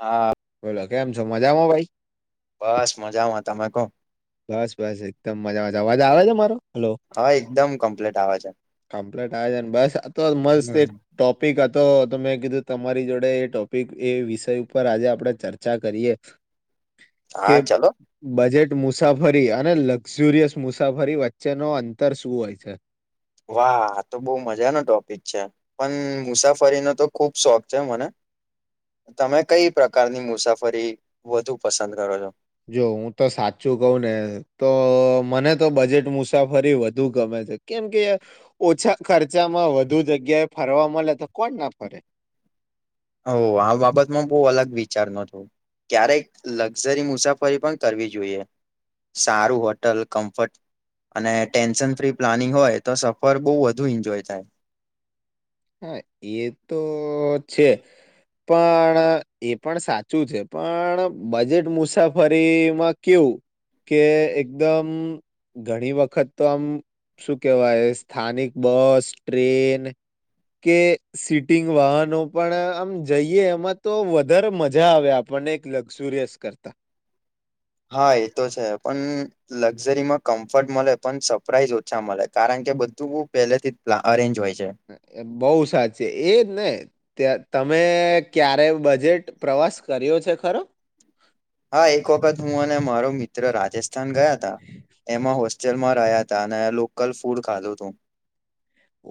હા. બોલો કેમ છો મજામાં ભાઈ? બસ મજામાં, તમે કહો. બસ બસ એકદમ મજા મજા અવાજ આવે છે મારો? હલો હા એકદમ કમ્પ્લીટ આવે છે કમપ્લેટન આવે છેન બસ આ મસ્ત હમ એક ટોપિક હ તો મેં કીધું તમારી જોડે એ ટોપિક એ વિષય ઉપર આજે આપણેે ચર્ચા કરીએ. કે હા ચલો બજેટ મુસાફરી અને લક્ઝુરિયસ મુસાફરી વચ્ચેનો અંતર શું હોય છે. વાહ! આતો બહ મજાનો ટોપિક છે પણ મુસાફરીનો તો ખુબ શોખ છે મને તમે કઈ પ્રકારની મુસાફરી વધુ પસંદ કરો છો? જો હું તો સાચું કઉ ને તો મને તો બજેટ મુસાફરી વધુ ગમે છે કેમ કે ઓછા ખર્ચામાં વધુ જગ્યાએ ફરવા મળે તો કોણ ના ફરે? હવ આ બાબતમાં બહુ અલગ વિચારનો છું ક્યારેક લક્ઝરી મુસાફરી પણ કરવી જોઈએ સારું હોટલ, કમ્ફર્ટ અને ટેન્શન ફ્રી પ્લાનિંગ હોય તો સફર બહુ વધુ એન્જોય થાય. હા એ તો છે પણ એ પણ સાચું છે પણ બજેટ મુસાફરીમાં કેવું કે એકદમ ઘણી વખત તો આમ શું કહેવાય સ્થાનિક બસ, ટ્રેન કે સીટિંગ વાહનો પણ આમ જઈએ એમાં તો વધારે મજા આવે આપણને એક લક્ઝુરિયસ કરતા. હા એ તો છે પણ લક્ઝરીમાં કમ્ફર્ટ મળે પણ સરપ્રાઈઝ ઓછા મળે કારણ કે બધું પહેલેથી પ્ અરેન્જ હોય છ. એ બહુ સાચી એજ ને. ત તમે ક્યારે બજેટ પ્રવાસ કર્યો છે ખરો. હા એક વખત હું અને મારો મિત્ર રાજેશ સ્થાન ગયા હતા એમાં હોસ્ ચલમાં રહ્યા હતા અને લોકલ ફૂડ ખાધું તું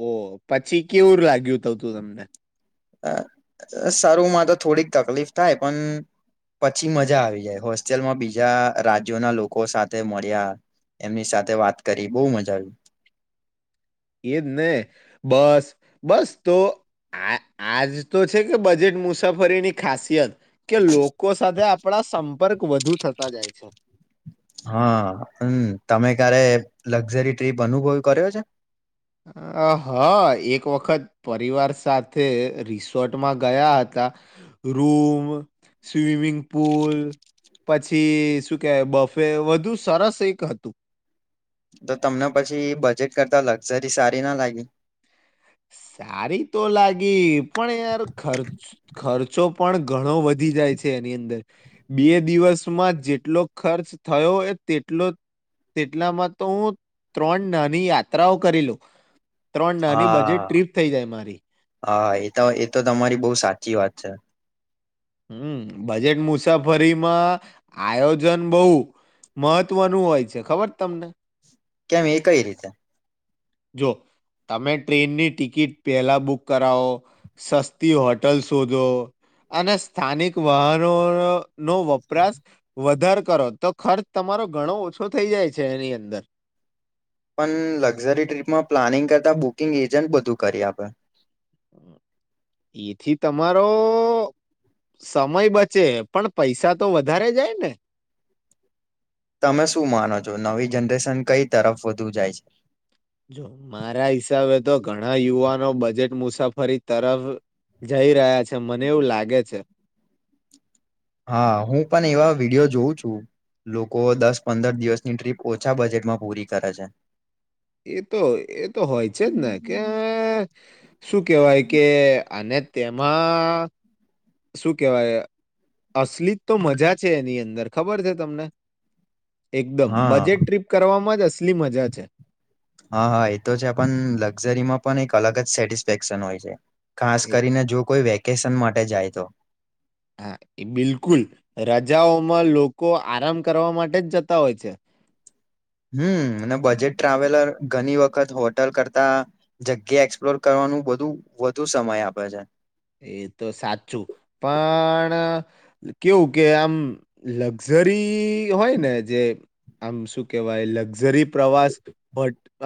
ઓ પછી કેવું લાગ્યું તું તું તમને અ શરૂમાં તો થોડીક તકલીફ થાય પણ પછી મજા આવી જાય હોસ્ટેલમાં બીજા રાજ્યોના લોકો સાથે મળ્યા એમની સાથે વાત કરી બહુ મજા આવી. એ જ ને બસ બસ તો આ આજ તો છે કે બજેટ મુસાફરીની ખાસિયત કે લોકો સાથે આપ આપણા સંપર્ક વધુ થતા જાય છે. હા પણ તમે ક્યારે લક્ઝરી ટ્રીપ અનુભવ કર્યો છે. અ હ એક વખત પરિવાર સાથે રિસ્ શોર્ટમાં ગયા હતા ત રૂમ, સ્વિમિંગ પુલ, પછી શું કે બફે વધુ સરસ એક હતું. તો તમને પછી બજેટ કરતા લક્ઝરી સારી ના લાગી સારી તો લાગી પણ યાર ખર્ચ ખર્ચ ખર્ચો પણ ઘણો વધી જાય છે એની અંદર બે દિવસમાં જેટલો ખર્ચ થયો હોય તેટલો તેટલામાં તો હું ત્રણ નાની યાત્રાઓ કરી લઉ ત્રણ નાની બચ જે હા ટ્રીપ થઈ જાય મારી. હા એ તો એ તો તમારી બહુ સાચી વાત છે. હમ બજેટ મુસાફરીમાં આયોજન બહુ મહત્વનું હોય છે ખબર તમને કેમ એ કઈ રીતે જો તમે ટ્રેનની ટિકિટ પહેલા બુક કરાવો, સસ્તી હોટલ શોધો, અને સ્થાનિક વાહનો ન નો વપરાશ વધાર કરો તો ખર્ચ તમારો ઘણો ઓછો થઈ જાય છે એની અંદર પણ લક્ઝરી ટ્રીપમાં પ્લાનિંગ કરતા બુકિંગ એજન્ટ બધું કરી આપે. એથી તમારો સમય બચે પણ પૈસા તો વધારે જાય ને તમે શું માનો છો નવી જનરેશન કઈ તરફ વધુ જાય છે. જો મારા હિસાબે તો ઘણા યુવાનો બજેટ મુસાફરી તરફ જઈ રહ્યા છે. મને એવું લાગે છે. હા હું પણ એવા વિડીયો જોઉં છું લોકો દસ પંદર દિવસની ટ્રીપ ઓછા બજેટમાં પૂરી કરે છે. એતો એતો હોય છે જ ને કે શું કેહેવાય કે અને તેમાં શું કેહેવાય અશલીત તો મજા છે એની અંદર ખબર છે તમને એકદમ હા બજેટ ટ્રીપ કરવામાં જ હશે ટલી મજા છે. હા હા એ તો છે પણ લક્ઝરીમાં પણ એક અલગ જ સેટિસફેક્શન હોય છે. ખાસ એ કરીને જો કોઈ વ્યક વેકેશન માટે જાય તો હા એ બિલકુલ રજાઓમાં લોકો આરામ કરવા માટે જ જતા હોય છે. હમ અને બજેટ ટ્રાવેલર ઘણી વખત હોટલ કરતા જગ્યા એક્સપ્લોર કરવાનું બધું વધુ સમય આપે છે. એ તો સાચું પણ કેવું કે આમ લક્ઝરી હોયને જે આમ શું કેવાય લક્ઝરી પ્રવાસ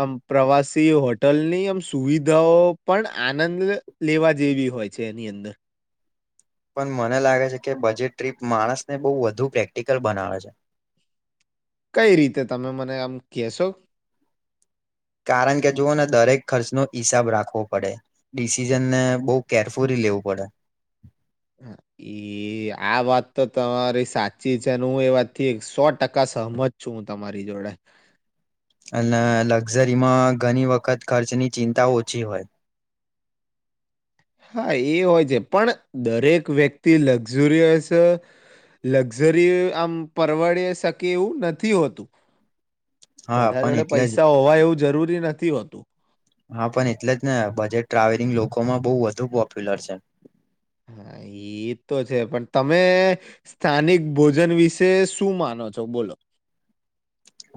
આમ પ્રવાસી હોટલની આમ સુવિધાઓ પણ આનંદ લેવા જેવી હોય. છે એની અંદર પણ મને લાગે છે કે બજેટ ટ્રીપ માણસને બહુ વધુ પ્રેક્ટિકલ બનાવે છે. કઈ રીતે તમે મને આમ કેશો કારણ કે જુવઓ ને દરેક ખર્ચનો હિસાબ રાખવો પડે ડિસિઝનને બહુ કેરફુલી લેવું પડે એ આ વાત તો તમારી સાચી છે હું એ વાતથી સો ટકા સહમત છું હું તમારી જોડે અને લક્ઝરીમાં ઘણી વખત ખર્ચની ચિંતા ઓછી હોય. હા એ હોય છે પણ દરેક વ્યક્તિ લક્ઝરિયસ લક્ઝરી આમ પરવડ શકે એવું નથી હોતું. હા બધા પણ જોડે એટલે જ પૈસા હોવા એવું જરૂરી નથી હોતું. હા પણ એટલે જ ને બજેટ ટ્રાવેલિંગ લોકોમાં બોવ વધુ પોપ્યુલર છે. હા એ તો છે પણ તમે સ્થાનિક ભોજન વિશે શું માનો છો બોલો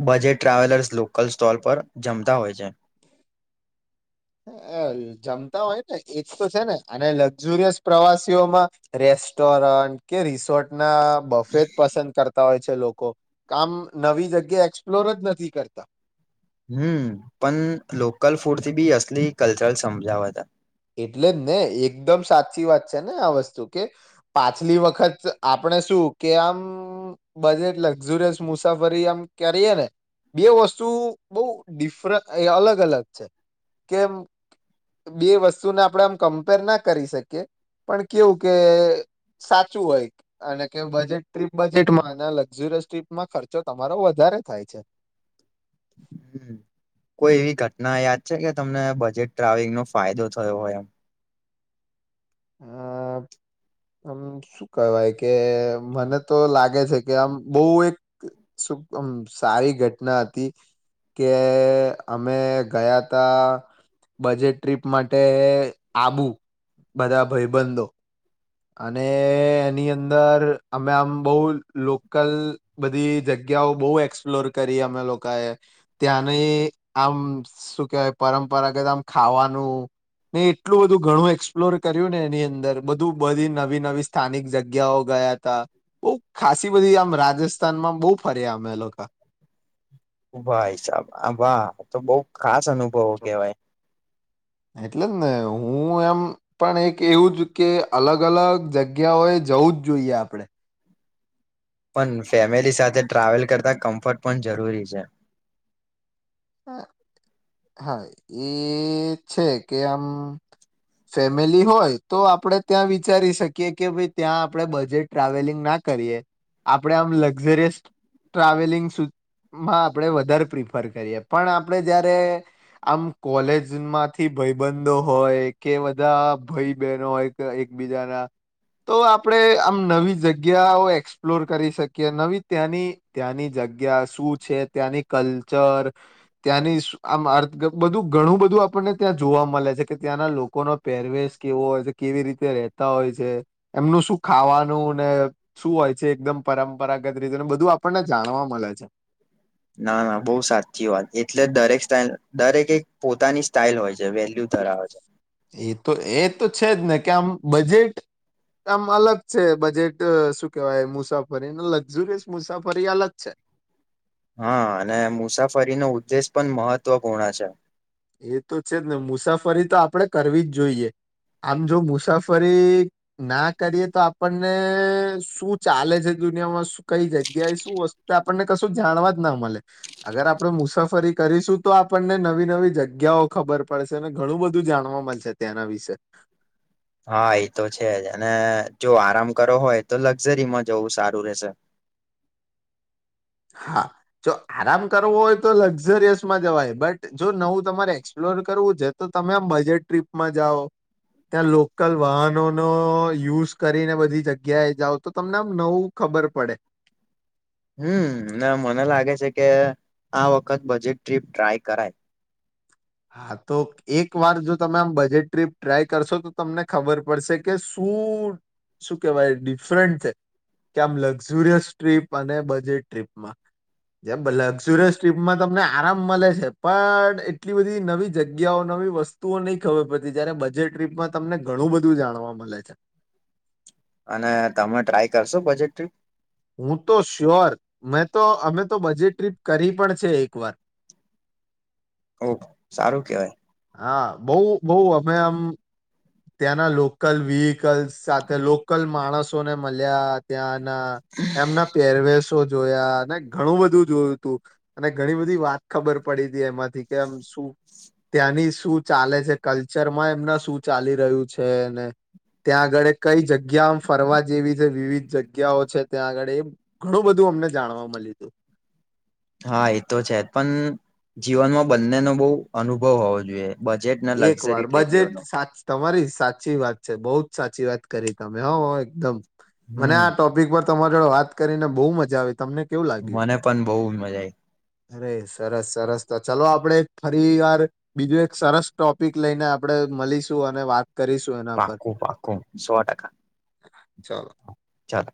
બજેટ ટ્રાવેલર્સ લોકલ સ્ટોલ પર જમતા હોય છે. જમતા હોય ને એજ તો છે ને અને લક્ઝુરિયસ પ્રવાસીઓમાં રેસ્ટોરન્ટ કે રિસોર્ટ ના બફેટ પસંદ કરતા હોય છે. છે લોકો કામ નવી જગ્યા એક્સપ્લોર જ નથી કરતા હમ પણ લોકલ ફૂડથી બી અસલી કલ્ચરલ સમજાવાવ હતા એટલે જ ને એકદમ સાચી વાત છે ને આ વસ્તુ કે પાછલી વખત આપણે શું કે આમ બજેટ લક્ઝુરિયસ મુસાફરી આમ કરીએ ને બે વસ્તુ બઉ ડિફર અલગ અલગ છે કે બે વસ્તુ તુને આપડે આમ કમ્પેર ના કરી શકીએ પણ કેવું કે સાચું હોય અને કે બજેટ ટ્રીપ બજેટમાં લક્ઝિરયસ ટ્રીપમાં ખર્ચો તમારો વધારે થાય છે. હમ. કોઈ એવી ઘટના યાદ છે કે તમને બજેટ ટ્રાવેલિંગનો ફાયદો થયો હોય એમ [inaudible] અમ શું કહેવાય કે મને તો લાગે છે કે આમ બહુ એક શું ક સારી ઘટના હતી કે અમે ગયા તા બજેટ ટ્રીપ માટે આબુ બધાં ભાઈબંધો અને એની અંદર અમે આમ બોવ લોકલ બધી જગ્યાઓ બોવ એક્સપ્લોર કરી અમે લોકોએ ત્યાંની આમ શું કેહેવાય પરંપરા કેતા આમ ખાવાનું ને એટલું બધું ઘણું એક્સપ્લોર કર્યું ને એની અંદર બધું બધી નવી નવી સ્થાનિક જગ્યાઓ ગયા હતા બોવ ખાાસી બધી આમ રાજસ્થાનમાં બોવ ફર્યા અમે લોકો ઓ ભાાઈસાહબ વાહ તો બોવ ખાસ અનુભવો કહેવાય એટલે જ ને હું એમ પણ એક એવું જ કે અલગ અલગ જગ્યાઓ એ જવું જ જોઈએ આપણે પણ ફેમિલી સાથે ટ્રાવેલ કરતાં કમ્ફર્ટ પણ જરૂરી છે. હા એ છે કે એમ ફેમિલી હોય તો આપડે ત્યાં વિચારી શકીએ કે ભાઈ ત્યાં આપણેે બજેટ ટ્રાવેલિંગ ના કરીએ આપણેે આમ લક્ઝરિયસ ટ્રાવેલિંગ સુધમાં આપણે વધારે પ્રિફર કરીએ. પણ આપણેે જયારે આમ કોલેજમાંથી ભાઈબંધો હોય કે બધા ભાઈ બહેનો હોય એકબીજાના તો આપણે આમ નવી જગ્યાઓ એક્સપ્લોર કરી શકીએ નવી ત્યાંની ત્યાંની જગ્યા શું છે ત્યાંની કલ્ચર ત્યાંની આમ અર્થ બધું ઘણું બધું આપણને ત્યાં જોવા મળે છે કે ત્યાંના લોકોનો પહેરવેશ કેવો હોય છે કેવી રીતે રતા હોય છે એમનું શું ખાવાનું ને શું હોય છે એકદમ પરંપરાગત રીતે બધું આપણને જાણવા મળે છે. ના ના બહુ સાચી વાત એટલે દરેક સ્ટાઇલ દરેક એક પોતાની સ્ટાઇલ હોય છે. જે વેલ્યુ ધરાવે છે. એ તો એ તો છે જ ને કે આમ બજેટ આમ અલગ છે બજેટ શું કેવાય મુસાફરીને લક્ઝુરિયસ મુસાફરી અલગ છે. હા અને મુસાફરીનો ઉદ્દેશ પણ મહત્વપૂર્ણ છે. એ તો છેને મુસાફરી તો આપડે કરવી જ જોઈએ આમ જો મુસાફરી ના કરીએ તો આપણને શું ચાલે છે દુનિયામાં કઈ જગ્યાએ શું વસ્તુ આપણને કશું જાણવા જ ના મળે અગર આપણે મુસાફરી કરીશું તો આપણને નવી નવી જગ જગ્યાઓ ખબર પડશે અને ઘણું બધું જાણવા મળશે ત્યાંના વિશે હા એ તો છે જ અને જો આરામ કરો હોય તો લક્ઝરીમાં જવું સારું રહેશે. હા જો આરામ કરવો હોય તો લક્ઝરિયસમાં જવાય બટ જો નવું તમારે એક્સપ્લોર કરવું છે તો તમે આમ બજેટ ટ્રીપમાં જાઓ ત્યાં લોકલ વાહનોનો યુઝ કરીને બધી જગ્યાએ જાઓ તો તમને આમ નવું ખબર પડે હમ ને મને લાગે છે કે આ વખત બજેટ ટ્રીપ ટ્રાય કરાય હા તો એક વાર જો તમે આમ બજેટ ટ્રીપ ટ્રાય કરશો તો તમને ખબર પડશે કે શું શું કેહેવાય ડિફરન્ટ છે કે આમ લક્ઝુરિયસ ટ્રીપ અને બજેટ ટ્રીપમાં જેમ લક્ઝુરિયસ ટ્રીપમાં તમને આરામ મલે છે પણ એટલી બધી નવી જગ્યાઓ નવી વસ્તુઓ નહી ખબર પડતી જયારે બજેટ ટ્રીપમાં તમને ઘણું બધું જાણવા મલે છે. અને તમે ટ્રાય કરશો બજેટ ટ્રીપ હું તો શ્યોર મેં તો અમે તો બજેટ ટ્રીપ કરી પણ છે એકવાર ઓ સારું કેવાય હા બોવ બોવ અમે આમ ત્યાંના લોકલ વહીકલ્સ સાથે લોકલ માણસોને મલયા ત્યાં એમના પેરવેસ તો જોયા અને ઘણું બધું જોયું તું અને ઘણી બધી વાત ખબર પડી હતી એમાંથી કે આમ શું ત્યાંની શું ચાલે છે કલ્ચરમાં એમના શું ચાલી રહ્યું છેને ત્યાં આગળ કઈ જગ્યામ ફરવા જેવી છે વિવિધ જગ્યાઓ છે ત્યાં આગળ એ ઘણું બધું અમને જાણવા મલયુ હતું. હા એ તો છે પણ જીવનમાં બંને નો બોવ અનુભવ હોવો જોઈએ. બજેટ ને એક લક્ઝરી વાર ટ્રીપ બજેટ બેવનો સાચ તમારી સાચી વાત છે બહુ જ સાચી વાત કરી તમે હો એકદમ મને હમ આ ટોપિક પર તમારે વાત કરીને બહુ મજા આવી તમને કેવું લાગ્યું મને પણ બહુ મજા આઈ અરે સરસ સરસ તો ચાલો આપણેે ફરી વાર બીજું એક સરસ ટોપિક લઈને આપણે મલીશું અને વાત કરીશું એના પાકું પાકું સો ટકા ચાલો ચાલો